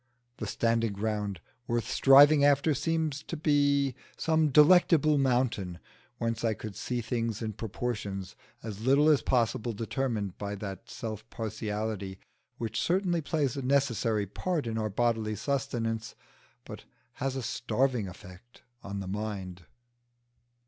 The standing ground worth striving after seemed to be some Delectable Mountain, whence I could see things in proportions as little as possible determined by that self partiality which certainly plays a necessary part in our bodily sustenance, but has a starving effect on the mind.